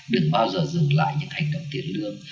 đừng bao giờ dừng lại những hành động tiền lương